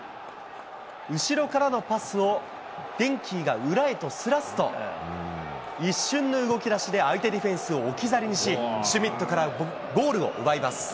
後ろからのパスをデンキーが裏へとスラスト、一瞬の動きだしで相手ディフェンスを置き去りにし、シュミットからゴールを奪います。